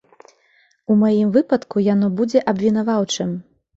У маім выпадку яно будзе абвінаваўчым.